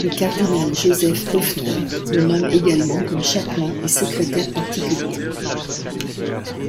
Le cardinal Joseph Höffner le nomme également comme chapelain et secrétaire particulier.